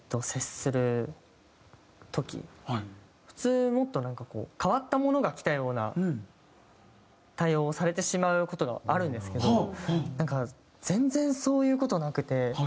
普通もっとなんかこう変わったものが来たような対応をされてしまう事があるんですけどなんか全然そういう事なくて。